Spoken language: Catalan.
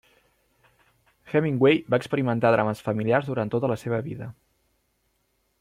Hemingway va experimentar drames familiars durant tota la seva vida.